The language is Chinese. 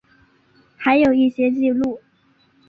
还有一些记录